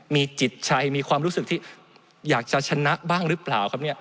มีจิตใจมีความรู้สึกที่อยากจะชนะบ้างหรือเปล่าครับเนี่ย